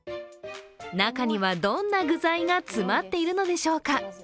中にはどんな具材が詰まっているのでしょうか？